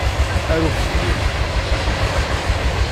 Ar uxeddim!